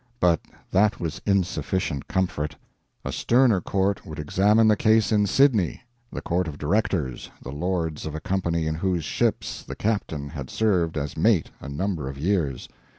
But that was insufficient comfort. A sterner court would examine the case in Sydney the Court of Directors, the lords of a company in whose ships the captain had served as mate a number of years.